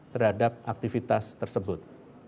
terhadap aktivitas tersebut